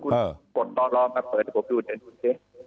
คุณกดรอมาเปิดให้ผมดูเดี๋ยวดูสิ